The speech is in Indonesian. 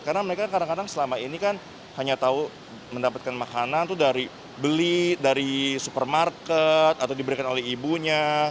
karena mereka kadang kadang selama ini kan hanya tahu mendapatkan makanan dari beli dari supermarket atau diberikan oleh ibunya